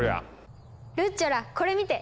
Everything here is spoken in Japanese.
ルッチョラこれ見て！